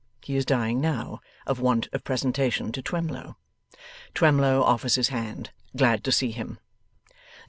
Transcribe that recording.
He is dying now, of want of presentation to Twemlow. Twemlow offers his hand. Glad to see him.